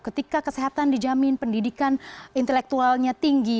ketika kesehatan dijamin pendidikan intelektualnya tinggi